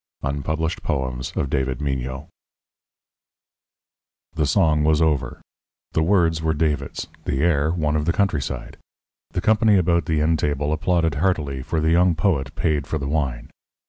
Unpublished Poems of David Mignot. The song was over. The words were David's; the air, one of the countryside. The company about the inn table applauded heartily, for the young poet paid for the wine.